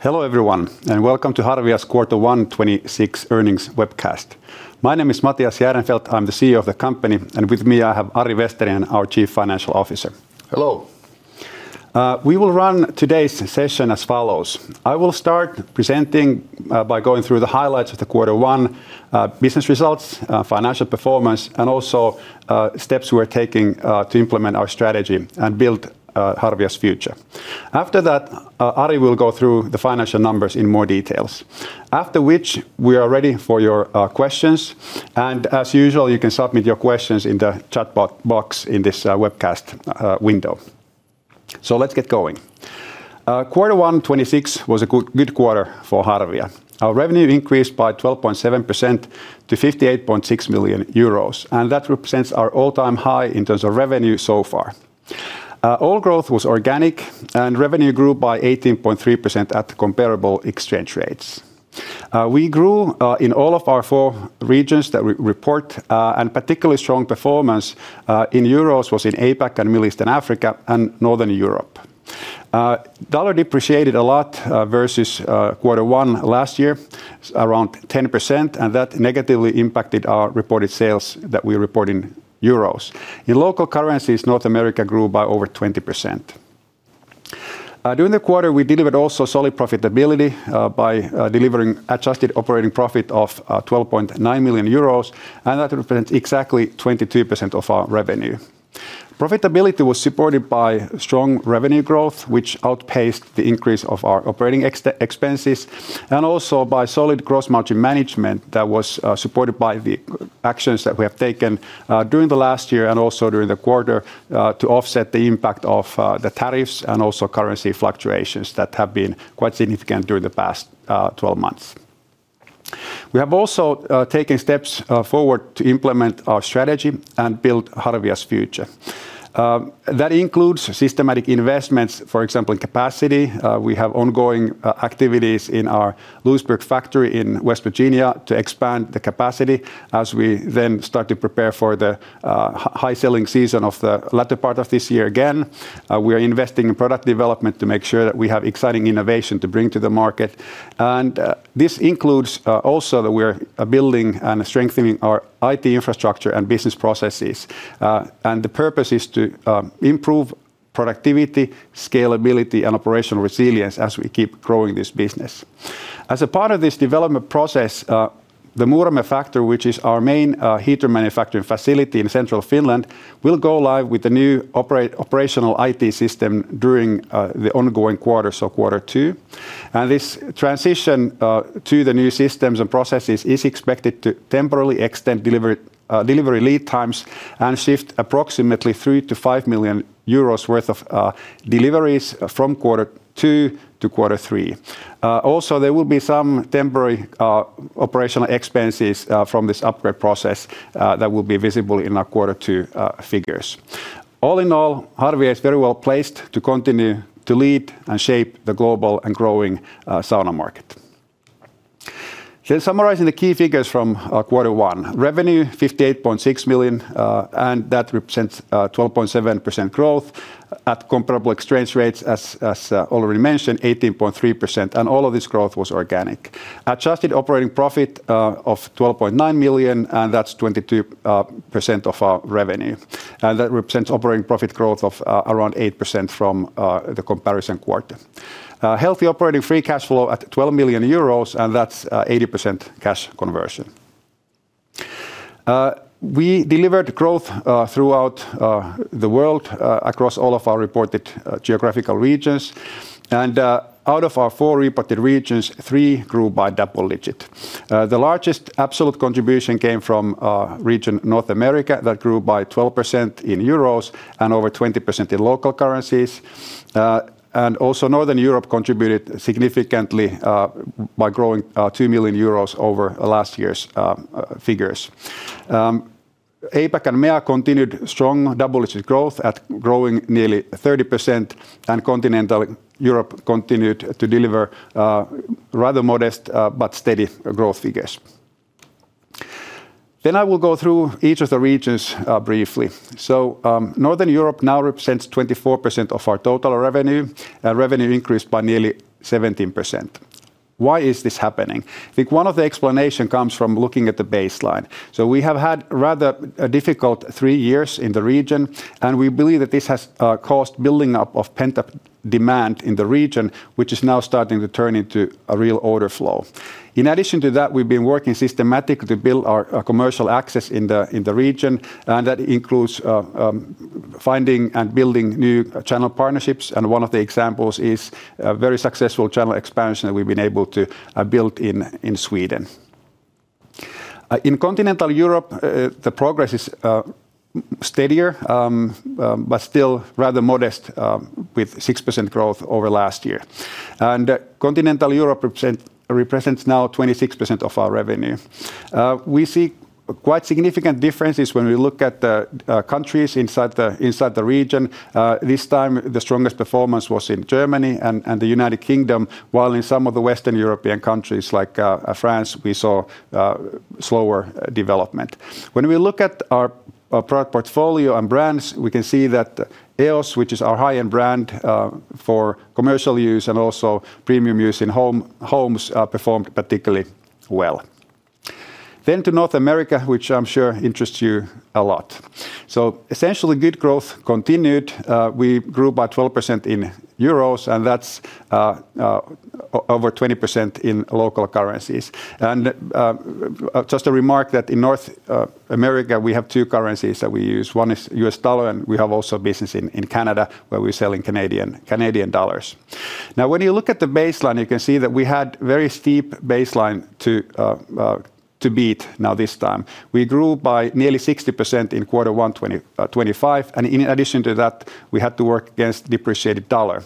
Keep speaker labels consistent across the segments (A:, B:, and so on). A: Hello, everyone, welcome to Harvia's Quarter 1 2026 earnings webcast. My name is Matias Järnefelt. I'm the CEO of the company. With me, I have Ari Vesterinen, our Chief Financial Officer.
B: Hello.
A: We will run today's session as follows. I will start presenting by going through the highlights of the Q1 business results, financial performance, and also steps we're taking to implement our strategy and build Harvia's future. After that, Ari will go through the financial numbers in more details. After which, we are ready for your questions, and as usual, you can submit your questions in the chat box in this webcast window. Let's get going. Q1 2026 was a good quarter for Harvia. Our revenue increased by 12.7% to 58.6 million euros, and that represents our all-time high in terms of revenue so far. All growth was organic, and revenue grew by 18.3% at comparable exchange rates. We grew in all of our 4 regions that we report, particularly strong performance in [Europe] was in APAC and Middle East and Africa and Northern Europe. The U.S. dollar depreciated a lot versus Q1 last year, around 10%, that negatively impacted our reported sales that we report in Euros. In local currencies, North America grew by over 20%. During the quarter, we delivered also solid profitability by delivering adjusted operating profit of 12.9 million euros, that represents exactly 22% of our revenue. Profitability was supported by strong revenue growth, which outpaced the increase of our operating expenses, and also by solid gross margin management that was supported by the actions that we have taken during the last year and also during the quarter to offset the impact of the tariffs and also currency fluctuations that have been quite significant during the past 12 months. We have also taken steps forward to implement our strategy and build Harvia's future. That includes systematic investments, for example, in capacity. We have ongoing activities in our Lewisburg factory in West Virginia to expand the capacity as we then start to prepare for the high-selling season of the latter part of this year again. We are investing in product development to make sure that we have exciting innovation to bring to the market. This includes also that we're building and strengthening our IT infrastructure and business processes. The purpose is to improve productivity, scalability, and operational resilience as we keep growing this business. As a part of this development process, the Muurame factory, which is our main heater manufacturing facility in central Finland, will go live with the new operational IT system during the ongoing quarter, so quarter 2. This transition to the new systems and processes is expected to temporarily extend delivery lead times and shift approximately 3 million-5 million euros worth of deliveries from quarter 2 to quarter 3. Also, there will be some temporary OpEx from this upgrade process that will be visible in our quarter 2 figures. All in all, Harvia is very well placed to continue to lead and shape the global and growing sauna market. Just summarizing the key figures from quarter one. Revenue, 58.6 million, and that represents 12.7% growth at comparable exchange rates, as already mentioned, 18.3%, and all of this growth was organic. Adjusted operating profit of 12.9 million, and that's 22% of our revenue. That represents operating profit growth of around 8% from the comparison quarter. Healthy operating free cash flow at 12 million euros, and that's 80% cash conversion. We delivered growth throughout the world across all of our reported geographical regions. Out of our four reported regions, three grew by double digit. The largest absolute contribution came from region North America that grew by 12% in euros and over 20% in local currencies. And also Northern Europe contributed significantly by growing 2 million euros over last year's figures. APAC and MEA continued strong double-digit growth at growing nearly 30%, and Continental Europe continued to deliver rather modest but steady growth figures. I will go through each of the regions briefly. Northern Europe now represents 24% of our total revenue. Revenue increased by nearly 17%. Why is this happening? I think one of the explanation comes from looking at the baseline. We have had rather a difficult three years in the region, and we believe that this has caused building up of pent-up demand in the region, which is now starting to turn into a real order flow. In addition to that, we've been working systematically to build our commercial access in the region, and that includes finding and building new channel partnerships. One of the examples is a very successful channel expansion that we've been able to build in Sweden. In Continental Europe, the progress is steadier, but still rather modest, with 6% growth over last year. Continental Europe represents now 26% of our revenue. We see quite significant differences when we look at the countries inside the region. This time, the strongest performance was in Germany and the U.K., while in some of the Western European countries like France, we saw slower development. When we look at our product portfolio and brands, we can see that EOS, which is our high-end brand, for commercial use and also premium use in homes, performed particularly well. To North America, which I'm sure interests you a lot. Essentially, good growth continued. We grew by 12% in Euro, and that's over 20% in local currencies. Just to remark that in North America, we have two currencies that we use. One is US dollar, and we have also business in Canada, where we sell in Canadian dollar. When you look at the baseline, you can see that we had very steep baseline to beat now this time. We grew by nearly 60% in Q1 2025, in addition to that, we had to work against depreciated dollar.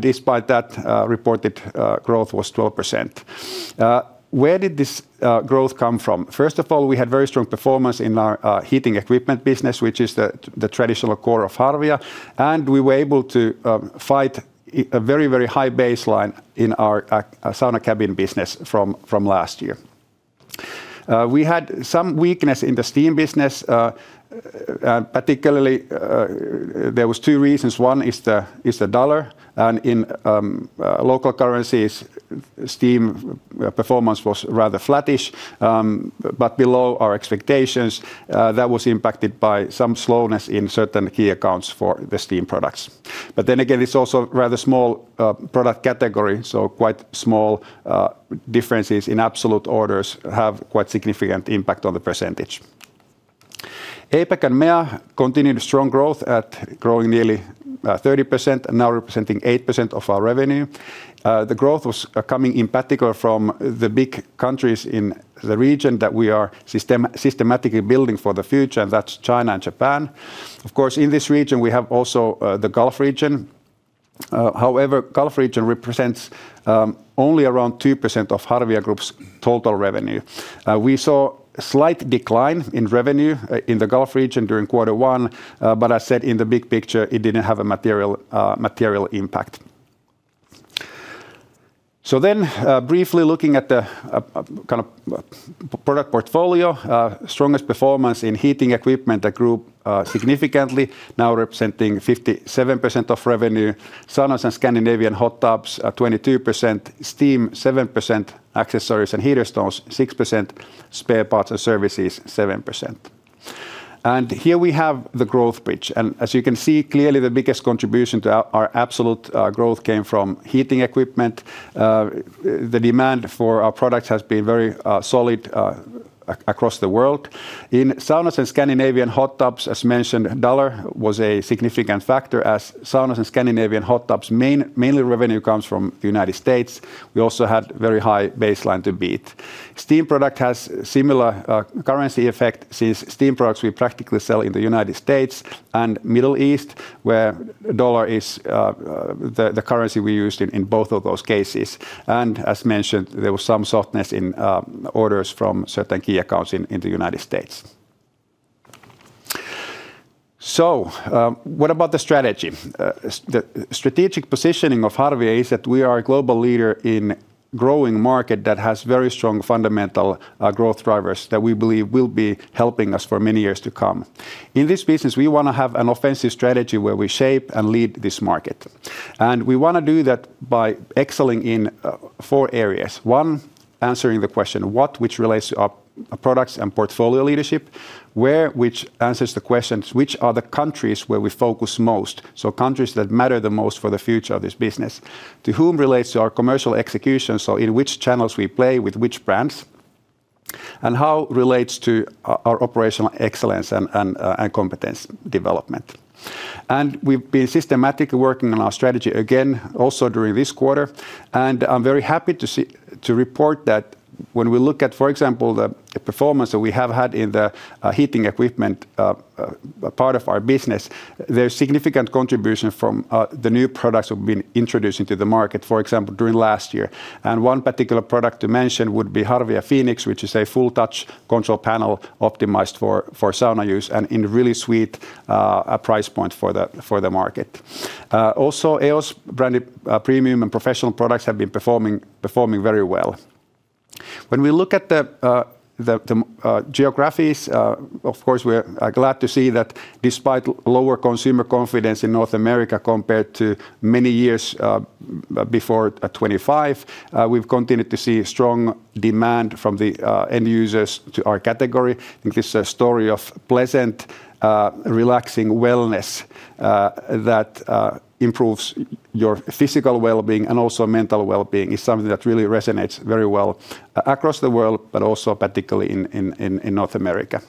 A: Despite that, reported growth was 12%. Where did this growth come from? First of all, we had very strong performance in our heating equipment business, which is the traditional core of Harvia, and we were able to fight a very, very high baseline in our sauna cabin business from last year. We had some weakness in the steam business, particularly, there was two reasons. One is the dollar. In local currencies, steam performance was rather flattish, but below our expectations. That was impacted by some slowness in certain key accounts for the steam products. It's also a rather small product category, so quite small differences in absolute orders have quite significant impact on the %. APAC and MEA continued a strong growth at growing nearly 30% and now representing 8% of our revenue. The growth was coming in particular from the big countries in the region that we are systematically building for the future, and that's China and Japan. Of course, in this region, we have also the Gulf region. However, Gulf region represents only around 2% of Harvia Group's total revenue. We saw a slight decline in revenue in the Gulf region during quarter one, as said, in the big picture, it didn't have a material impact. Briefly looking at the product portfolio, strongest performance in heating equipment that grew significantly, now representing 57% of revenue. Saunas and Scandinavian hot tubs, 22%. Steam, 7%. Accessories and heater stones, 6%. Spare parts and services, 7%. Here we have the growth bridge. As you can see, clearly the biggest contribution to our absolute growth came from heating equipment. The demand for our products has been very solid across the world. In saunas and Scandinavian hot tubs, as mentioned, dollar was a significant factor as saunas and Scandinavian hot tubs mainly revenue comes from the United States. We also had very high baseline to beat. Steam product has similar currency effect since steam products we practically sell in the United States and Middle East, where the US dollar is the currency we used in both of those cases. As mentioned, there was some softness in orders from certain key accounts in the United States. What about the strategy? The strategic positioning of Harvia is that we are a global leader in growing market that has very strong fundamental growth drivers that we believe will be helping us for many years to come. In this business, we wanna have an offensive strategy where we shape and lead this market, and we wanna do that by excelling in four areas. One, answering the question what, which relates to our products and portfolio leadership. Where, which answers the questions which are the countries where we focus most, so countries that matter the most for the future of this business. To whom relates to our commercial execution, so in which channels we play with which brands. How relates to our operational excellence and competence development. We've been systematically working on our strategy again also during this quarter. I'm very happy to see to report that when we look at, for example, the performance that we have had in the heating equipment part of our business, there's significant contribution from the new products we've been introducing to the market, for example, during last year. One particular product to mention would be Harvia Fenix, which is a full-touch control panel optimized for sauna use and in really sweet price point for the market. Also EOS-branded premium and professional products have been performing very well. When we look at the geographies, of course, we're glad to see that despite lower consumer confidence in North America compared to many years before 2025, we've continued to see strong demand from the end users to our category. I think this story of pleasant, relaxing wellness that improves your physical well-being and also mental well-being is something that really resonates very well across the world but also particularly in North America.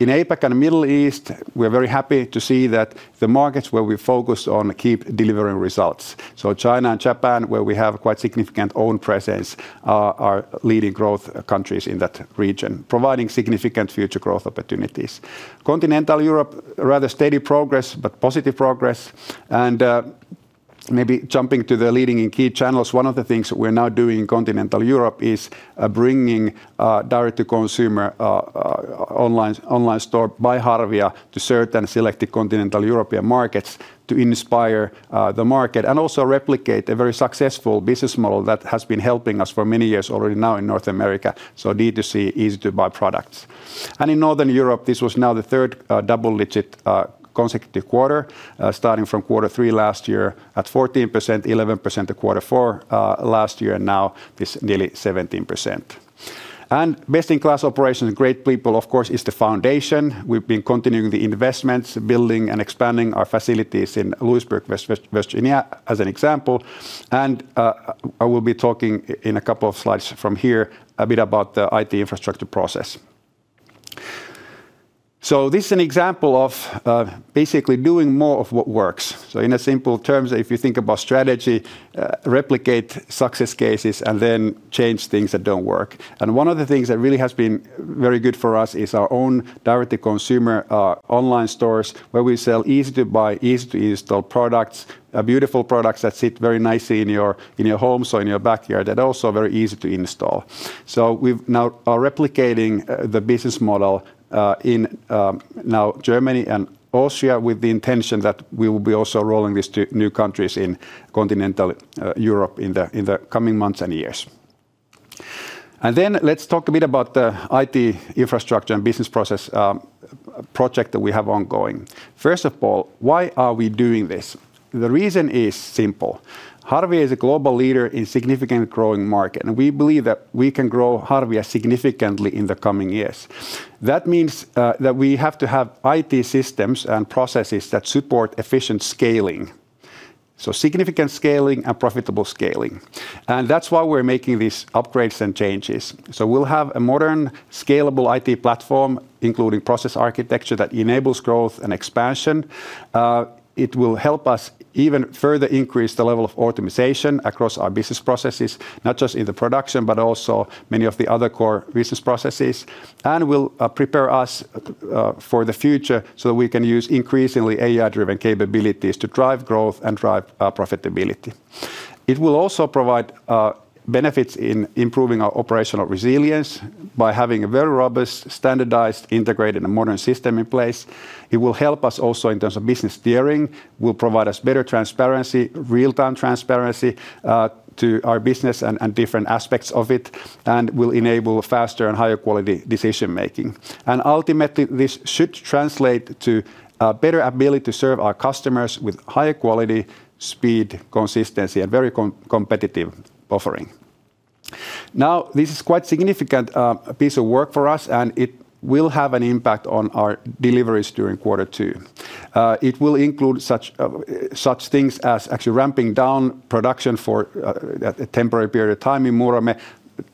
A: In APAC and Middle East, we're very happy to see that the markets where we focus on keep delivering results. China and Japan, where we have quite significant own presence, are leading growth countries in that region, providing significant future growth opportunities. Continental Europe, rather steady progress, but positive progress. Maybe jumping to the leading in key channels, one of the things we're now doing in Continental Europe is bringing direct-to-consumer online store by Harvia to certain selected Continental European markets to inspire the market and also replicate a very successful business model that has been helping us for many years already now in North America. D2C, easy-to-buy products. In Northern Europe, this was now the 3rd double-digit consecutive quarter, starting from Q3 last year at 14%, 11% at Q4 last year, and now this nearly 17%. Best-in-class operations, great people, of course, is the foundation. We've been continuing the investments, building and expanding our facilities in Lewisburg, West Virginia, as an example. I will be talking in a couple of slides from here a bit about the IT infrastructure process. This is an example of basically doing more of what works. In a simple terms, if you think about strategy, replicate success cases and then change things that don't work. One of the things that really has been very good for us is our own direct-to-consumer online stores where we sell easy-to-buy, easy-to-install products, beautiful products that sit very nicely in your home, so in your backyard, that also very easy to install. We've now are replicating the business model in now Germany and Austria with the intention that we will be also rolling these to new countries in continental Europe in the coming months and years. Let's talk a bit about the IT infrastructure and business process project that we have ongoing. First of all, why are we doing this? The reason is simple. Harvia is a global leader in significant growing market, and we believe that we can grow Harvia significantly in the coming years. That means that we have to have IT systems and processes that support efficient scaling, so significant scaling and profitable scaling. That's why we're making these upgrades and changes. We'll have a modern scalable IT platform, including process architecture that enables growth and expansion. It will help us even further increase the level of optimization across our business processes, not just in the production, but also many of the other core business processes. Will prepare us for the future so that we can use increasingly AI-driven capabilities to drive growth and drive profitability. It will also provide benefits in improving our operational resilience by having a very robust, standardized, integrated, and modern system in place. It will help us also in terms of business steering, will provide us better transparency, real-time transparency, to our business and different aspects of it, and will enable faster and higher quality decision-making. Ultimately, this should translate to a better ability to serve our customers with higher quality, speed, consistency, and very competitive offering. This is quite significant piece of work for us, and it will have an impact on our deliveries during quarter two. It will include such things as actually ramping down production for a temporary period of time in Muurame,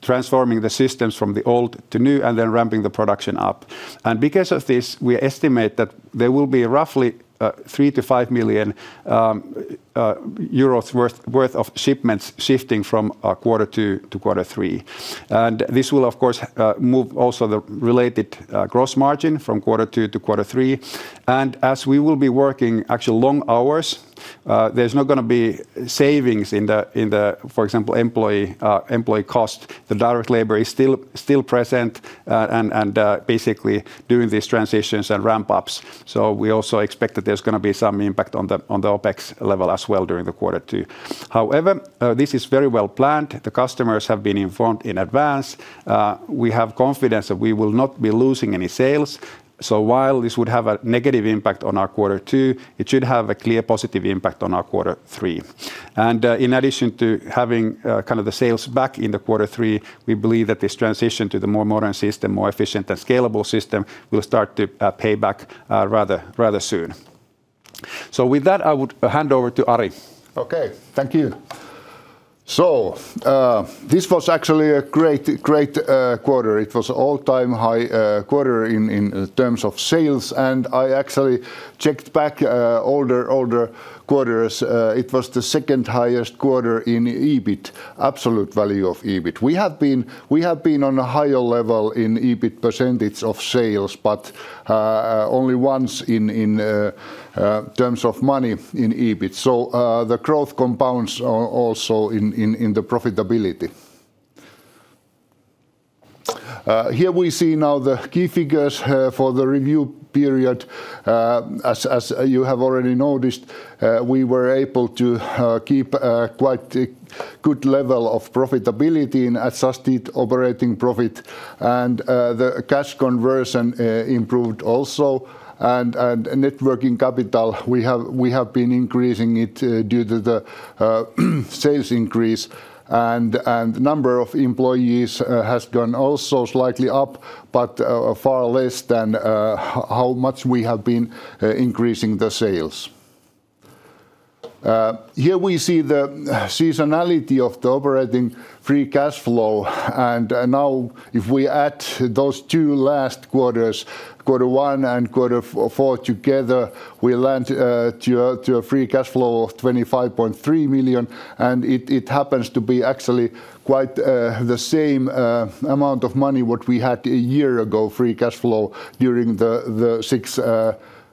A: transforming the systems from the old to new, and then ramping the production up. Because of this, we estimate that there will be roughly 3 million-5 million euros worth of shipments shifting from quarter two to quarter three. This will, of course, move also the related gross margin from quarter two to quarter three. As we will be working actual long hours, there's not gonna be savings in the, in the, for example, employee cost. The direct labor is still present and basically doing these transitions and ramp-ups. We also expect that there's gonna be some impact on the OpEx level as well during the quarter two. However, this is very well planned. The customers have been informed in advance. We have confidence that we will not be losing any sales. While this would have a negative impact on our quarter two, it should have a clear positive impact on our quarter three. In addition to having, kind of the sales back in the quarter 3, we believe that this transition to the more modern system, more efficient and scalable system, will start to pay back, rather soon. With that, I would hand over to Ari.
B: Okay. Thank you. This was actually a great quarter. It was all-time high quarter in terms of sales. I actually checked back older quarters. It was the second highest quarter in EBIT, absolute value of EBIT. We have been on a higher level in EBIT percentage of sales, only once in terms of money in EBIT. The growth compounds are also in the profitability. Here we see now the key figures for the review period. As you have already noticed, we were able to keep quite a good level of profitability in adjusted operating profit, the cash conversion improved also. Net working capital, we have been increasing it due to the sales increase. Number of employees has gone also slightly up, but far less than how much we have been increasing the sales. Here we see the seasonality of the operating free cash flow. Now if we add those two last quarters, quarter 1 and quarter 4 together, we land to a free cash flow of 25.3 million, and it happens to be actually quite the same amount of money what we had a year ago, free cash flow during the 6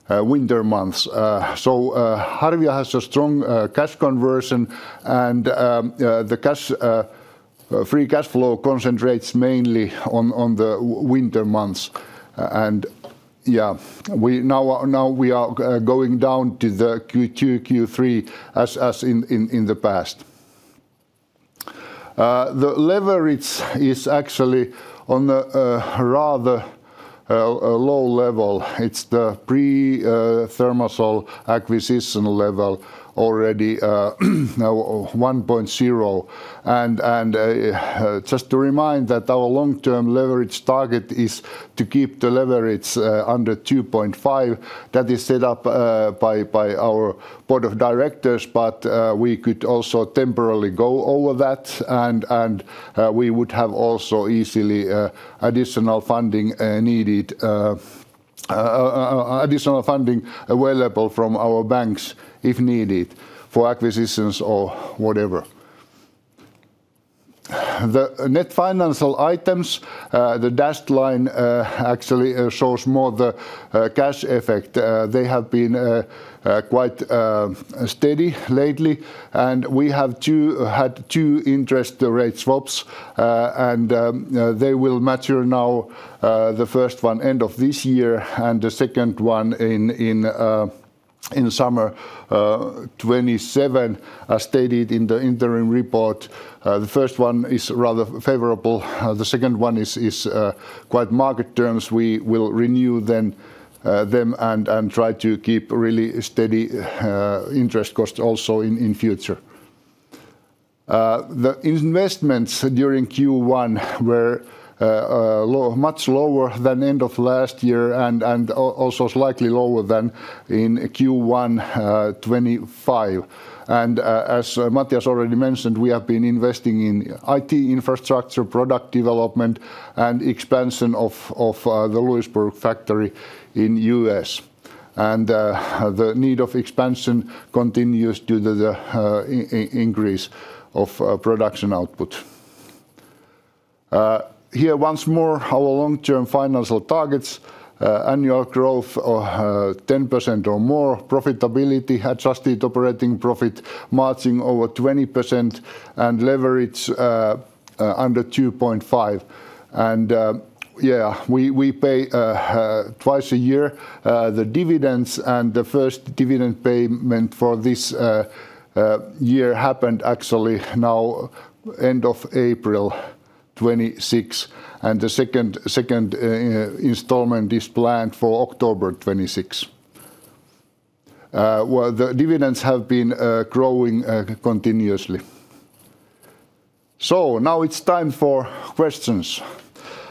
B: winter months. Harvia has a strong cash conversion and the cash free cash flow concentrates mainly on the winter months. Yeah, we now are going down to the Q2, Q3 as in the past. The leverage is actually on a rather low level. It's the pre-ThermaSol acquisition level already now 1.0. Just to remind that our long-term leverage target is to keep the leverage under 2.5. That is set up by our board of directors, but we could also temporarily go over that, and we would have also easily additional funding needed additional funding available from our banks if needed for acquisitions or whatever. The net financial items, the dashed line, actually shows more the cash effect. They have been quite steady lately. We have two interest rate swaps. They will mature now, the first one end of this year, and the second one in summer 2027, as stated in the interim report. The first one is rather favorable. The second one is quite market terms. We will renew then them and try to keep really steady interest cost also in future. The investments during Q1 were much lower than end of last year and also slightly lower than in Q1 2025. As Matias Järnefelt already mentioned, we have been investing in IT infrastructure, product development, and expansion of the Lewisburg factory in U.S. The need of expansion continues due to the increase of production output. Here once more, our long-term financial targets, annual growth, 10% or more, profitability, adjusted operating profit margin over 20%, and leverage under 2.5. We pay twice a year the dividends. The first dividend payment for this year happened actually now end of April 2026. The second installment is planned for October 2026. Well, the dividends have been growing continuously. Now it's time for questions.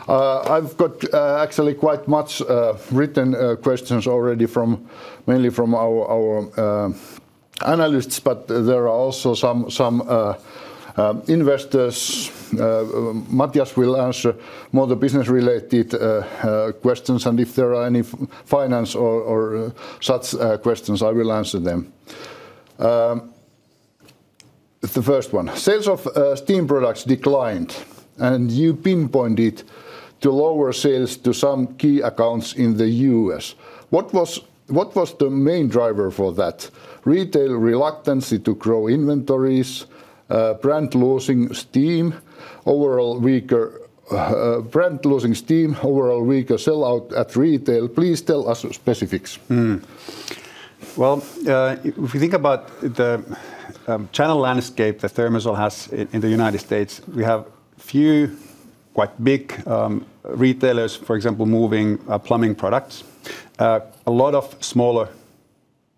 B: I've got actually quite much written questions already from, mainly from our analysts. There are also some investors. Matias will answer more the business-related questions. If there are any finance or such questions, I will answer them. The first one: sales of steam products declined. You pinpoint it to lower sales to some key accounts in the U.S. What was the main driver for that? Retail reluctancy to grow inventories? Brand losing steam? Overall weaker sellout at retail? Please tell us specifics.
A: Well, if you think about the channel landscape that ThermaSol has in the United States, we have few quite big retailers, for example, moving plumbing products, a lot of smaller,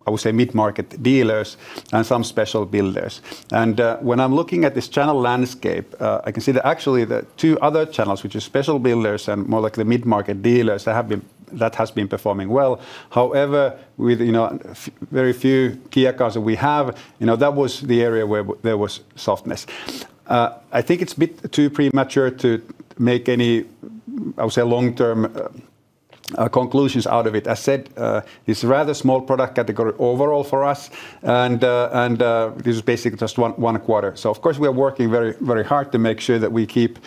A: I would say, mid-market dealers, and some special builders. When I'm looking at this channel landscape, I can see that actually the two other channels, which is special builders and more like the mid-market dealers, that has been performing well. However, with, you know, very few key accounts that we have, you know, that was the area where there was softness. I think it's a bit too premature to make any, I would say, long-term conclusions out of it. I said, it's rather small product category overall for us, and this is basically just 1 quarter. Of course we are working very, very hard to make sure that we keep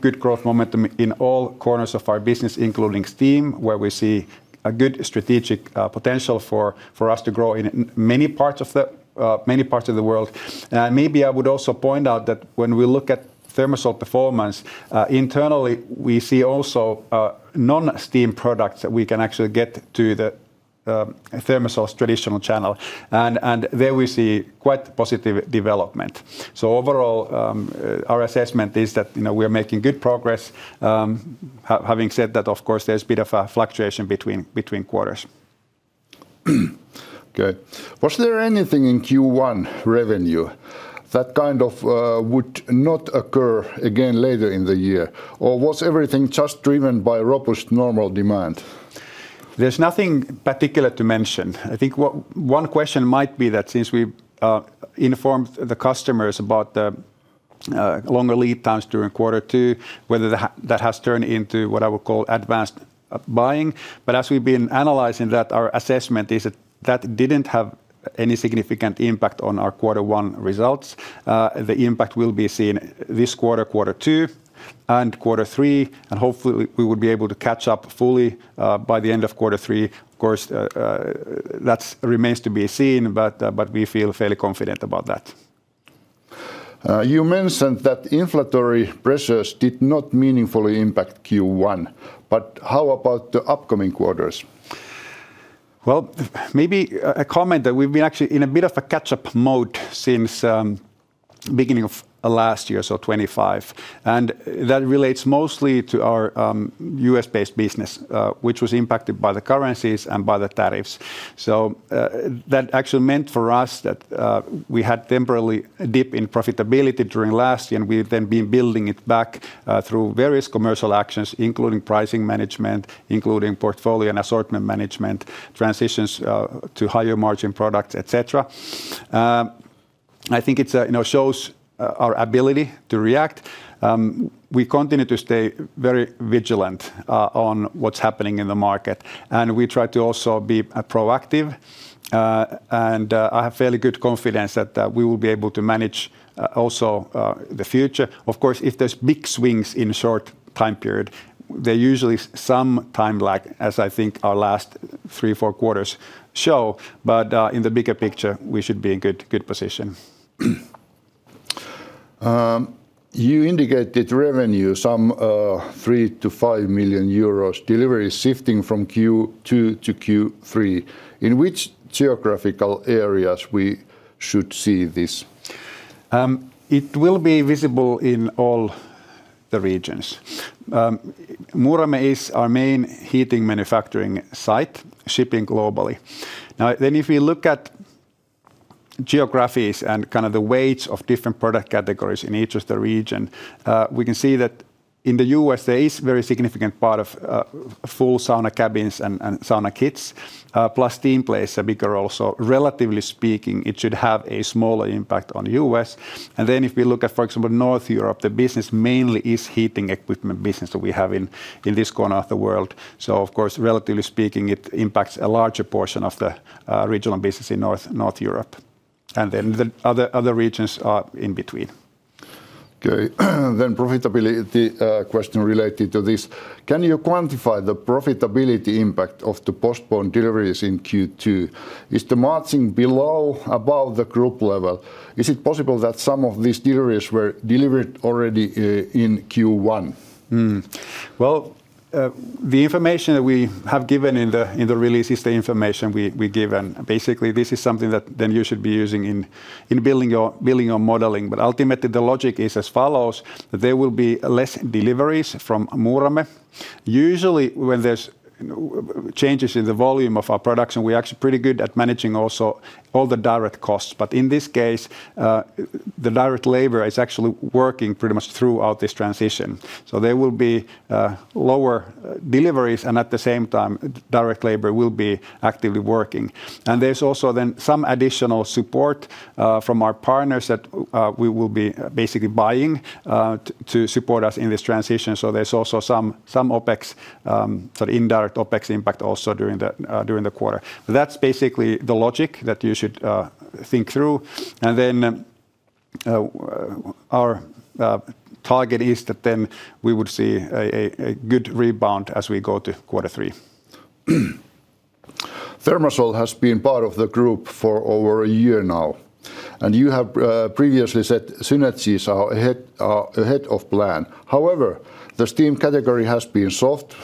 A: good growth momentum in all corners of our business, including steam, where we see a good strategic potential for us to grow in many parts of the world. Maybe I would also point out that when we look at ThermaSol performance, internally we see also non-steam products that we can actually get to the ThermaSol's traditional channel. There we see quite positive development. Overall, you know, our assessment is that we are making good progress. Having said that, of course there's a bit of a fluctuation between quarters.
B: Okay. Was there anything in Q1 revenue that kind of would not occur again later in the year? Or was everything just driven by robust normal demand?
A: There's nothing particular to mention. I think what one question might be that since we've informed the customers about the longer lead times during quarter two, whether that has turned into what I would call advanced buying. As we've been analyzing that, our assessment is that that didn't have any significant impact on our quarter one results. The impact will be seen this quarter two, and quarter three, and hopefully we would be able to catch up fully by the end of quarter three. Of course, that remains to be seen, but we feel fairly confident about that.
B: You mentioned that the inflationary pressures did not meaningfully impact Q1, but how about the upcoming quarters?
A: Well, maybe a comment that we've been actually in a bit of a catch-up mode since beginning of last year, so 2025. That relates mostly to our U.S.-based business, which was impacted by the currencies and by the tariffs. That actually meant for us that we had temporarily a dip in profitability during last year, and we've then been building it back through various commercial actions including pricing management, including portfolio and assortment management, transitions to higher margin products, et cetera. I think it, you know, shows our ability to react. We continue to stay very vigilant on what's happening in the market, and we try to also be proactive. I have fairly good confidence that we will be able to manage also the future. Of course, if there's big swings in short time period, there's usually some time lag, as I think our last 3, 4 quarters show. In the bigger picture, we should be in good position.
B: You indicated revenue, some, 3 million-5 million euros delivery shifting from Q2 to Q3. In which geographical areas we should see this?
A: It will be visible in all the regions. Muurame is our main heating manufacturing site, shipping globally. If you look at geographies and kind of the weights of different product categories in each of the region, we can see that in the U.S. there is very significant part of full sauna cabins and sauna kits, plus steam plays a bigger role. Relatively speaking, it should have a smaller impact on U.S. If we look at, for example, North Europe, the business mainly is heating equipment business that we have in this corner of the world. Of course, relatively speaking, it impacts a larger portion of the regional business in North Europe. The other regions are in between.
B: Okay. Profitability, question related to this. Can you quantify the profitability impact of the postponed deliveries in Q2? Is the margin below, above the group level? Is it possible that some of these deliveries were delivered already, in Q1?
A: The information that we have given in the release is the information we give, basically this is something that then you should be using in building your modeling. Ultimately, the logic is as follows: that there will be less deliveries from Muurame. Usually when there's, you know, changes in the volume of our production, we're actually pretty good at managing also all the direct costs. In this case, the direct labor is actually working pretty much throughout this transition. There will be lower deliveries, and at the same time direct labor will be actively working. There's also then some additional support from our partners that we will be basically buying to support us in this transition. There's also some OpEx, sort of indirect OpEx impact also during the quarter. That's basically the logic that you should think through. Then, our target is that we would see a good rebound as we go to quarter three.
B: ThermaSol has been part of the group for over a year now. You have previously said synergies are ahead of plan. The steam category has been soft,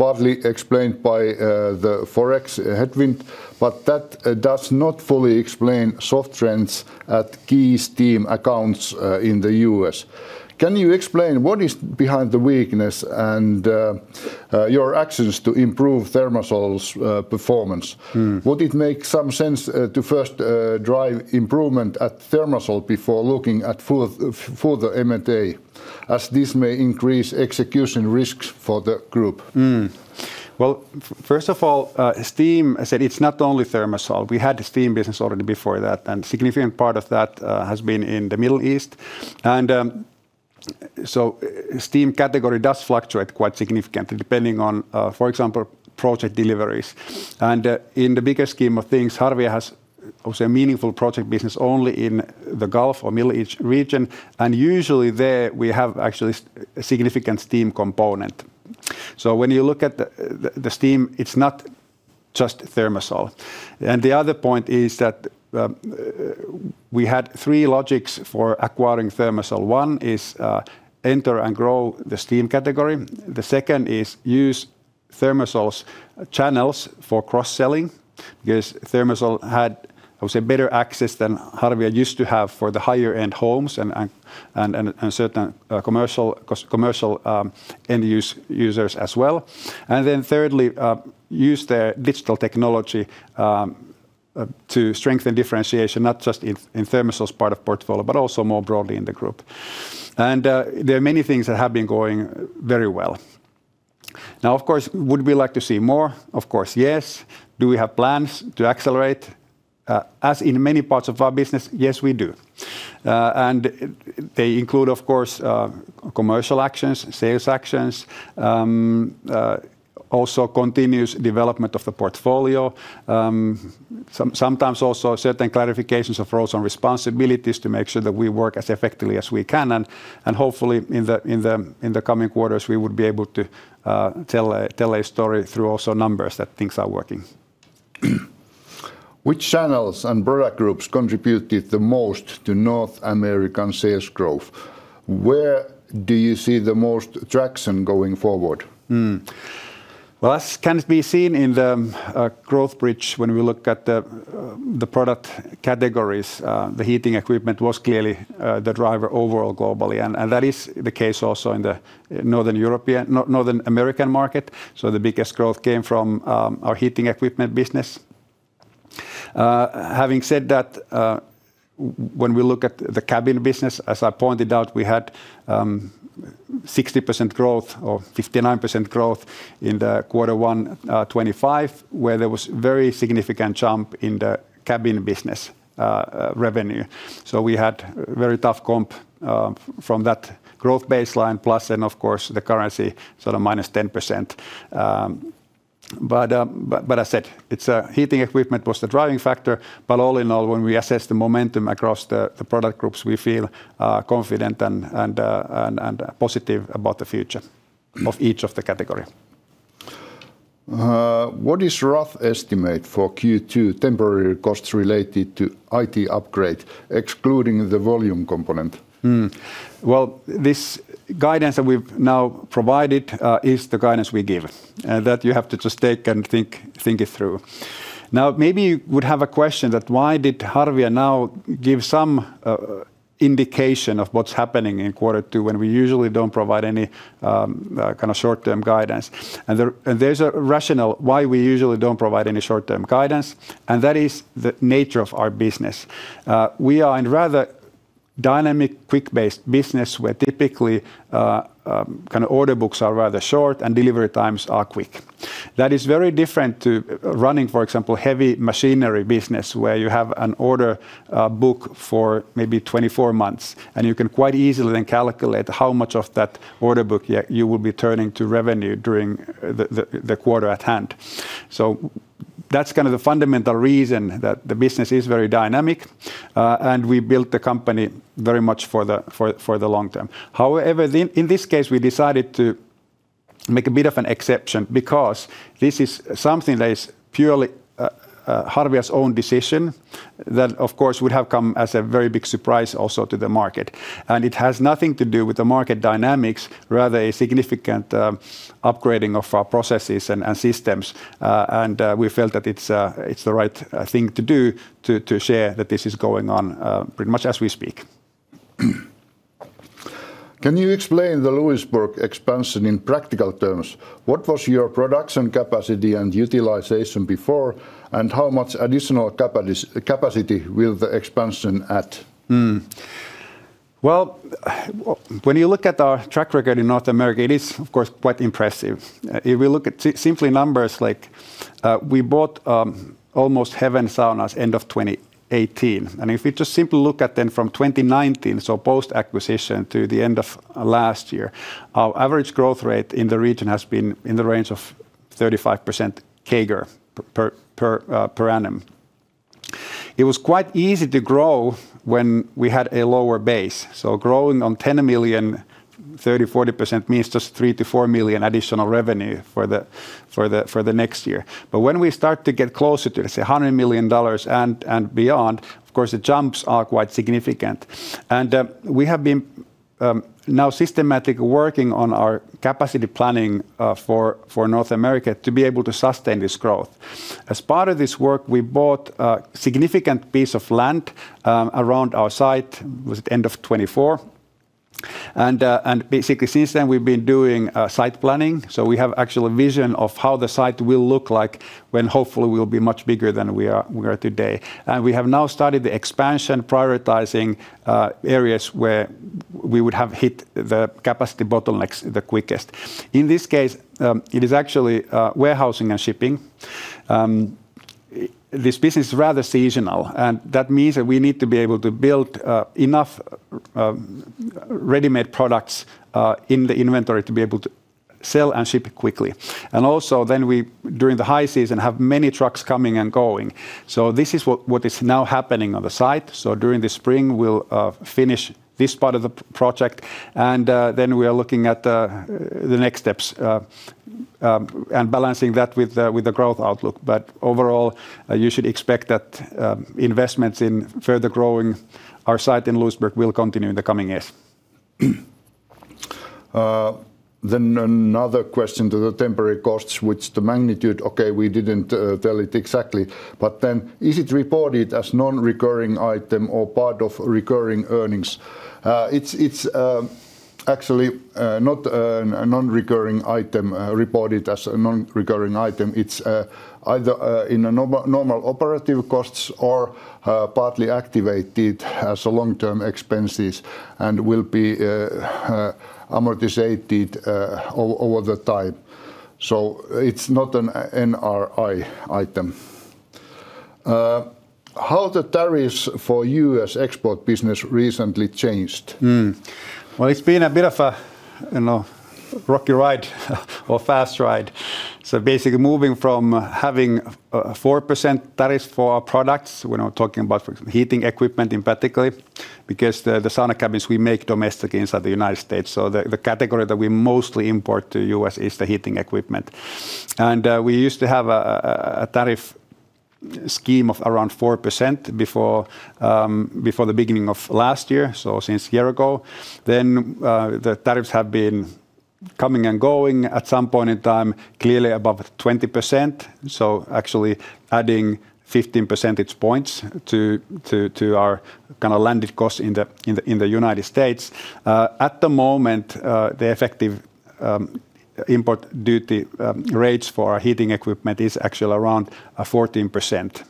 B: partly explained by the forex headwind. That does not fully explain soft trends at key steam accounts in the U.S. Can you explain what is behind the weakness, and your actions to improve ThermaSol's performance? Would it make some sense, to first, drive improvement at ThermaSol before looking at further M&A, as this may increase execution risks for the group?
A: Well, first of all, steam, as said, it's not only ThermaSol. We had the steam business already before that. Significant part of that has been in the Middle East. Steam category does fluctuate quite significantly depending on, for example, project deliveries. In the bigger scheme of things, Harvia has obviously a meaningful project business only in the Gulf or Middle East region, usually there we have actually a significant steam component. When you look at the steam, it's not just ThermaSol. The other point is that we had three logics for acquiring ThermaSol. One is, enter and grow the steam category. The second is use ThermaSol's channels for cross-selling, because ThermaSol had obviously a better access than Harvia used to have for the higher-end homes and certain commercial end use users as well. Thirdly, use their digital technology to strengthen differentiation, not just in ThermaSol's part of portfolio, but also more broadly in the group. There are many things that have been going very well. Now of course, would we like to see more? Of course, yes. Do we have plans to accelerate? As in many parts of our business, yes we do. They include, of course, commercial actions, sales actions. Also continuous development of the portfolio. Sometimes also certain clarifications of roles and responsibilities to make sure that we work as effectively as we can. Hopefully in the coming quarters we would be able to tell a story through also numbers that things are working.
B: Which channels and product groups contributed the most to North American sales growth? Where do you see the most traction going forward?
A: As can be seen in the growth bridge when we look at the product categories, the heating equipment was clearly the driver overall globally. That is the case also in the Northern European Northern American market. The biggest growth came from our heating equipment business. Having said that, when we look at the cabin business, as I pointed out, we had 60% growth or 59% growth in Q1 2025, where there was very significant jump in the cabin business revenue. We had very tough comp from that growth baseline, plus then of course the currency sort of minus 10%. But as I said, heating equipment was the driving factor. All in all, when we assess the momentum across the product groups, we feel confident and positive about the future of each of the category.
B: What is rough estimate for Q2 temporary costs related to IT upgrade, excluding the volume component?
A: Well, this guidance that we've now provided is the guidance we give. That you have to just take and think it through. Now, maybe you would have a question that why did Harvia now give some indication of what's happening in quarter two, when we usually don't provide any kind of short-term guidance. There's a rationale why we usually don't provide any short-term guidance, and that is the nature of our business. We are in rather dynamic, quick-based business where typically kind of order books are rather short and delivery times are quick. That is very different to running, for example, heavy machinery business where you have an order book for maybe 24 months, and you can quite easily then calculate how much of that order book you will be turning to revenue during the quarter at hand. That's kind of the fundamental reason, that the business is very dynamic. We built the company very much for the long term. However, in this case, we decided to make a bit of an exception because this is something that is purely Harvia's own decision that of course would have come as a very big surprise also to the market. It has nothing to do with the market dynamics, rather a significant upgrading of our processes and systems. We felt that it's the right thing to do to share that this is going on, pretty much as we speak.
B: Can you explain the Lewisburg expansion in practical terms? What was your production capacity and utilization before? How much additional capacity will the expansion add?
A: Well, when you look at our track record in North America, it is of course quite impressive. If you look at simply numbers, like, we bought Almost Heaven Saunas end of 2018. If you just simply look at then from 2019, so post-acquisition to the end of last year, our average growth rate in the region has been in the range of 35% CAGR per annum. It was quite easy to grow when we had a lower base. Growing on 10 million, 30%-40% means just 3 million-4 million additional revenue for the next year. When we start to get closer to, let's say, EUR 100 million and beyond, of course the jumps are quite significant. We have been now systematic working on our capacity planning for North America to be able to sustain this growth. As part of this work, we bought a significant piece of land around our site. It was at the end of 2024. Basically since then we've been doing site planning, so we have actual vision of how the site will look like when hopefully we'll be much bigger than we are today. We have now started the expansion prioritizing areas where we would have hit the capacity bottlenecks the quickest. In this case, it is actually warehousing and shipping. This business is rather seasonal, and that means that we need to be able to build enough ready-made products in the inventory to be able to sell and ship it quickly. We, during the high season, have many trucks coming and going. This is what is now happening on the site. During the spring we'll finish this part of the project, and then we are looking at the next steps and balancing that with the growth outlook. Overall, you should expect that investments in further growing our site in Lewisburg will continue in the coming years.
B: Another question to the temporary costs, which the magnitude, okay, we didn't tell it exactly, is it reported as non-recurring item or part of recurring earnings? It's actually not a non-recurring item, reported as a non-recurring item. It's either in the normal operative costs or partly activated as long-term expenses and will be amortized over the time. It's not an NRI item. How the tariffs for U.S. export business recently changed?
A: Well, it's been a bit of a, you know, rocky ride or fast ride. Basically moving from having a 4% tariff for our products, we're now talking about for heating equipment in particularly, because the sauna cabins we make domestically inside the U.S. The category that we mostly import to the U.S. is the heating equipment. We used to have a tariff scheme of around 4% before the beginning of last year, since a year ago. The tariffs have been coming and going. At some point in time, clearly above 20%, so actually adding 15 percentage points to our kind of landed cost in the U.S. At the moment, the effective import duty rates for our heating equipment is actually around 14%.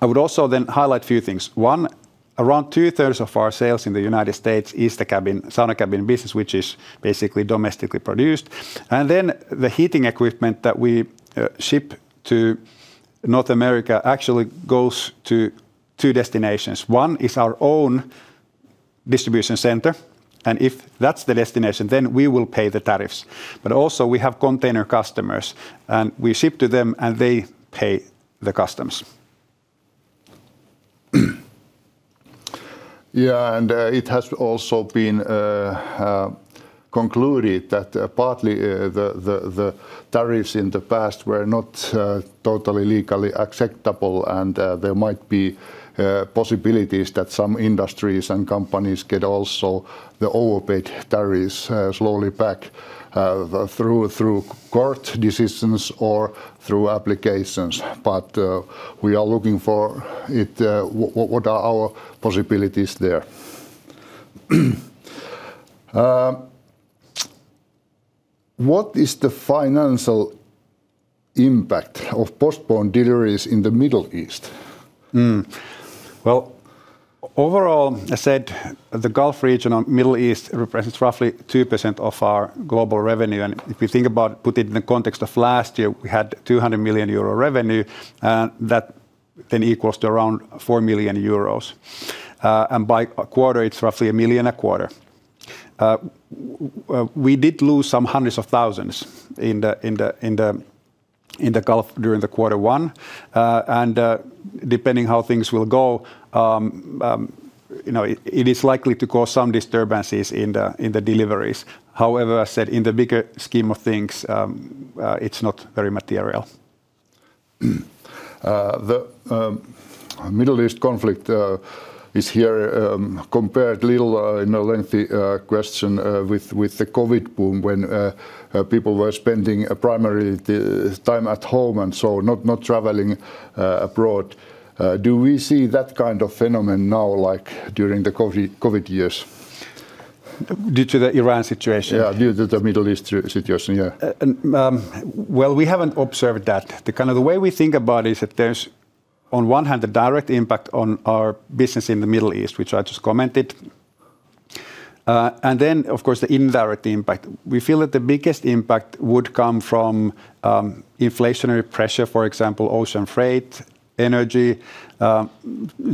A: I would also highlight a few things. One, around two-thirds of our sales in the U.S. is the cabin, sauna cabin business, which is basically domestically produced. The heating equipment that we ship to North America actually goes to two destinations. One is our own distribution center, and if that's the destination, we will pay the tariffs. Also, we have container customers, and we ship to them, and they pay the customs.
B: Yeah, it has also been concluded that partly the tariffs in the past were not totally legally acceptable, and there might be possibilities that some industries and companies get also the overpaid tariffs slowly back through court decisions or through applications. We are looking for it, what are our possibilities there? What is the financial impact of postponed deliveries in the Middle East?
A: Overall, I said the Gulf region and Middle East represents roughly 2% of our global revenue, and if you think about, put it in the context of last year, we had 200 million euro revenue. That equals to around 4 million euros. By quarter, it's roughly 1 million a quarter. We did lose some EUR hundreds of thousands in the Gulf during Q1. Depending how things will go, you know, it is likely to cause some disturbances in the deliveries. However, I said in the bigger scheme of things, it's not very material.
B: The Middle East conflict is here compared little in a lengthy question with the COVID boom when people were spending a primary, the time at home and so not traveling abroad. Do we see that kind of phenomenon now like during the COVID years?
A: Due to the Iran situation?
B: Yeah, due to the Middle East situation, yeah.
A: Well, we haven't observed that. The kind of the way we think about it is that there's on one hand the direct impact on our business in the Middle East, which I just commented. Of course the indirect impact. We feel that the biggest impact would come from inflationary pressure, for example, ocean freight, energy,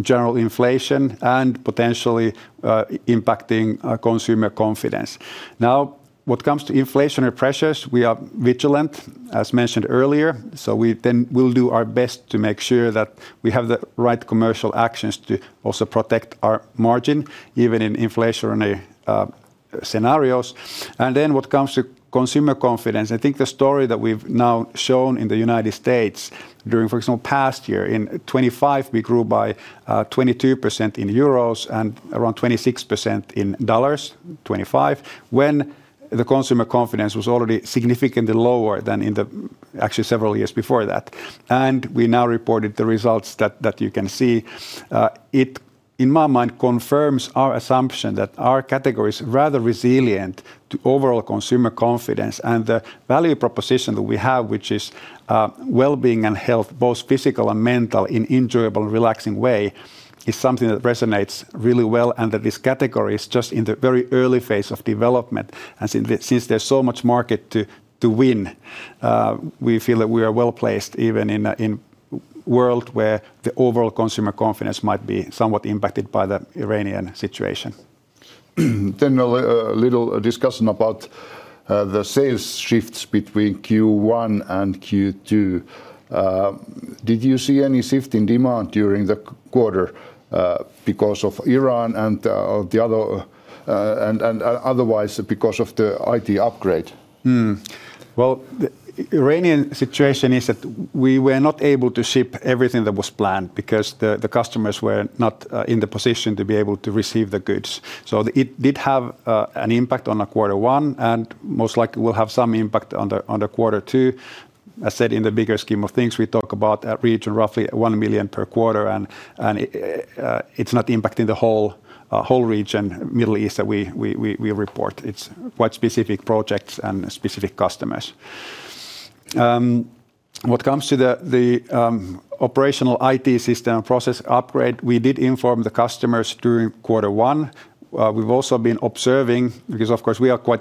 A: general inflation, and potentially impacting consumer confidence. Now, when it comes to inflationary pressures, we are vigilant, as mentioned earlier, we then will do our best to make sure that we have the right commercial actions to also protect our margin, even in inflationary scenarios. When it comes to consumer confidence, I think the story that we've now shown in the United States during, for example, past year, in 2025 we grew by 22% in EUR and around 26% in USD, 2025, when the consumer confidence was already significantly lower than in the actually several years before that. We now reported the results that you can see. It, in my mind, confirms our assumption that our category is rather resilient to overall consumer confidence. The value proposition that we have, which is well-being and health, both physical and mental, in enjoyable and relaxing way, is something that resonates really well and that this category is just in the very early phase of development. Since there's so much market to win, we feel that we are well-placed even in a world where the overall consumer confidence might be somewhat impacted by the Iranian situation.
B: Little discussion about the sales shifts between Q1 and Q2. Did you see any shift in demand during the quarter because of Iran and the other and otherwise because of the IT upgrade?
A: Well, the Iranian situation is that we were not able to ship everything that was planned because the customers were not in the position to be able to receive the goods. It did have an impact on the quarter 1, and most likely will have some impact on the quarter 2. I said in the bigger scheme of things, we talk about a region roughly 1 million per quarter and it's not impacting the whole region, Middle East, that we report. It's quite specific projects and specific customers. When it comes to the operational IT system process upgrade, we did inform the customers during quarter 1. We've also been observing because of course we are quite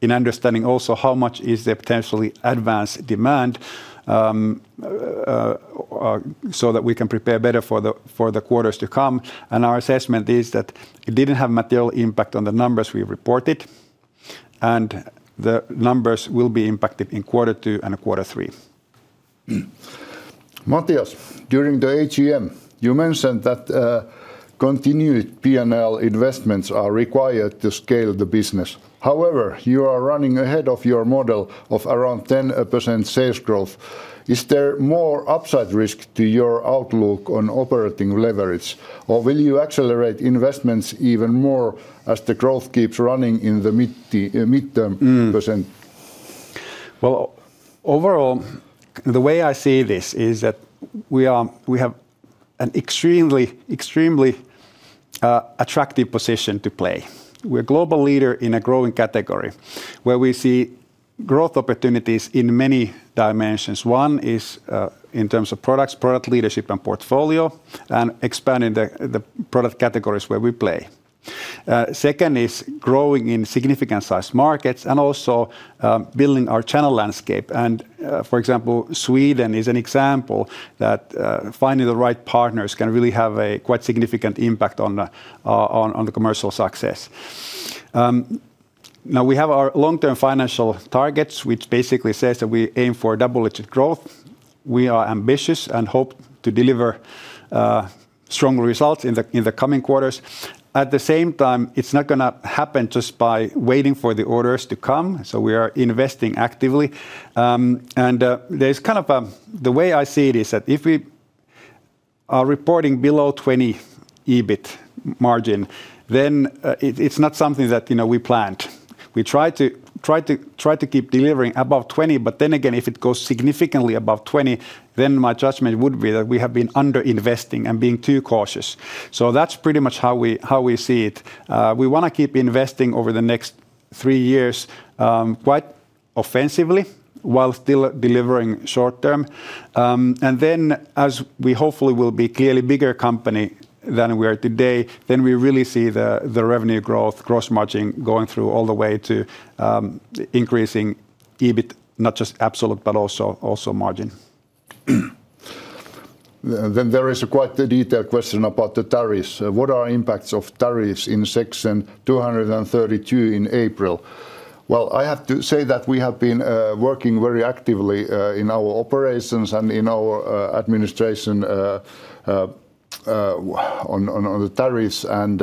A: interested in understanding also how much is the potentially advanced demand, so that we can prepare better for the, for the quarters to come, and our assessment is that it didn't have material impact on the numbers we reported, and the numbers will be impacted in quarter two and quarter three.
B: Matias, during the AGM, you mentioned that continued P&L investments are required to scale the business. You are running ahead of your model of around 10% sales growth. Is there more upside risk to your outlook on operating leverage, or will you accelerate investments even more as the growth keeps running in the midterm percent?
A: Well, overall, the way I see this is that we have an extremely attractive position to play. We're a global leader in a growing category, where we see growth opportunities in many dimensions. One is, in terms of products, product leadership, and portfolio, and expanding the product categories where we play. Second is growing in significant size markets, and also building our channel landscape. For example, Sweden is an example that finding the right partners can really have a quite significant impact on the commercial success. Now, we have our long-term financial targets, which basically says that we aim for double-digit growth. We are ambitious and hope to deliver strong results in the coming quarters. At the same time, it's not gonna happen just by waiting for the orders to come, so we are investing actively. The way I see it is that if we are reporting below 20% EBIT margin, then it's not something that, you know, we planned. We try to keep delivering above 20%. Then again, if it goes significantly above 20%, then my judgment would be that we have been under-investing and being too cautious. That's pretty much how we see it. We wanna keep investing over the next three years quite offensively while still delivering short-term. Then as we hopefully will be clearly bigger company than we are today, then we really see the revenue growth, gross margin going through all the way to increasing EBIT, not just absolute, but also margin.
B: Then there is a quite a detailed question about the tariffs. What are impacts of tariffs in Section 232 in April? Well, I have to say that we have been working very actively in our operations and in our administration on the tariffs, and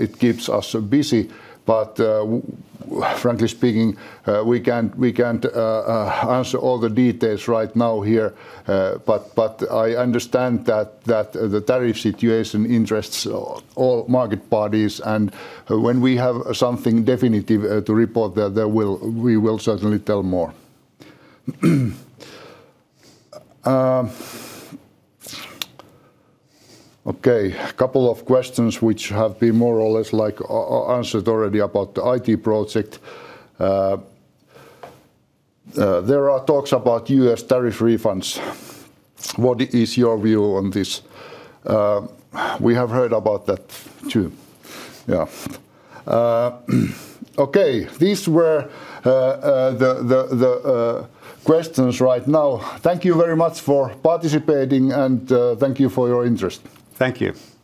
B: it keeps us busy. Frankly speaking, we can't answer all the details right now here. I understand that the tariff situation interests all market parties. When we have something definitive to report, then we will certainly tell more. Okay, a couple of questions which have been more or less, like, answered already about the IT project. There are talks about U.S. tariff refunds. What is your view on this? We have heard about that too. Yeah. Okay, these were the questions right now. Thank you very much for participating, thank you for your interest.
A: Thank you.
B: Okay